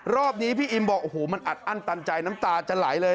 รอบนี้พี่อิมบอกโอ้โหมันอัดอั้นตันใจน้ำตาจะไหลเลย